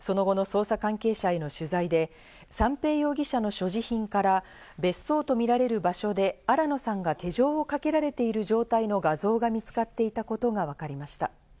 その後の捜査関係者への取材で、三瓶容疑者の所持品から別荘と見られる場所で新野さんが手錠をかけられている状態の画像が見つかっていたことがわかりました。